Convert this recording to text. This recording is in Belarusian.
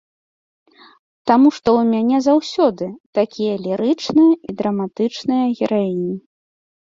Таму што ў мяне заўсёды такія лірычныя і драматычныя гераіні.